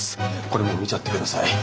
これも見ちゃってください。